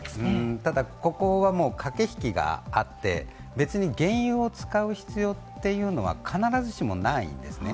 ただ、ここは駆け引きがあって、別に原油を使う必要は必ずしもないんですね。